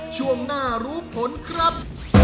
ช่วงหน้ารู้ผลครับ